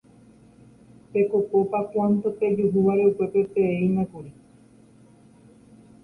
pekopopa cuanto pejuhúvare upépepeínakuri